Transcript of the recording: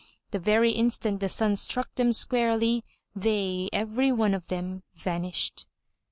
The very instant the sun struck them squarely, they every one of them vanished.